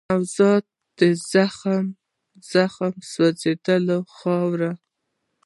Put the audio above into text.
نور دا زخمې زخمي سوځلې خاوره